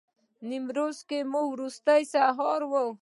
نیمروز کې مو وروستی سهار و.